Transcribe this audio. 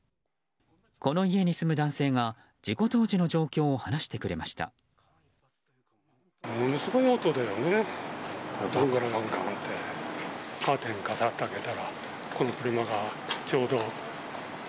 この家に住む男性が事故当時の状況を話してくれました。